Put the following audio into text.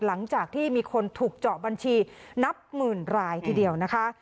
หลังจากที่มีคนถูกเจาะบัญชีนับหมื่นรายทีเดียวนะคะ